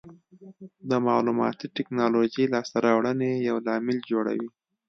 د معلوماتي ټکنالوژۍ لاسته راوړنې یو لامل جوړوي.